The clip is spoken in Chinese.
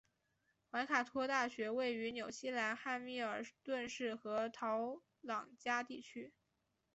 怀卡托大学位于纽西兰汉密尔顿市和陶朗加地区。